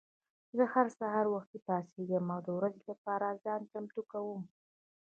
زه هر سهار وختي پاڅېږم او د ورځې لپاره ځان چمتو کوم.